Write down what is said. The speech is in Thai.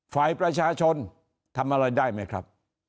ฝ่ายประชาชนทำอะไรได้ไหมครับ